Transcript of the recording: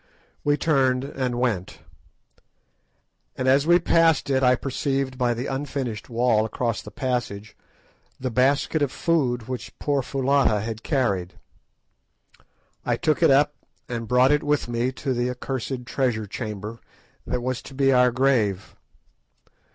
We turned and went, and as we passed it I perceived by the unfinished wall across the passage the basket of food which poor Foulata had carried. I took it up, and brought it with me to the accursed treasure chamber that was to be our grave.